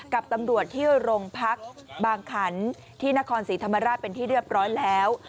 กับตำรวจที่โรงพักบางขันที่นครศรีธรรมราชเป็นที่เรียบร้อยแล้ว